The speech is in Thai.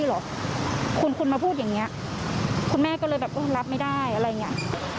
คุณแม่ก็เลยแบบรับไม่ได้อะไรอย่างนี้